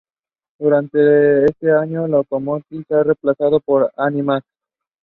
Elytral striae marked by moderately large and very shallow punctures.